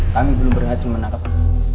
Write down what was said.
kami belum berhasil menangkapnya